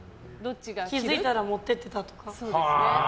気づいたら持ってってたとか。